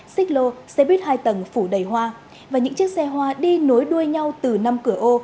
xích lô xe buýt hai tầng phủ đầy hoa và những chiếc xe hoa đi nối đuôi nhau từ năm cửa ô